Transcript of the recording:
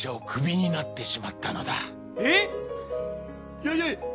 いやいや。